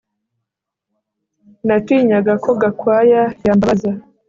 Natinyaga ko Gakwaya yambabaza